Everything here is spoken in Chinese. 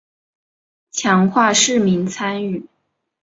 强化市民参与